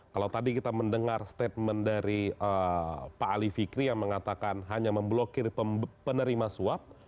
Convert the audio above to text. kalau tadi kita mendengar statement dari pak ali fikri yang mengatakan hanya memblokir penerima suap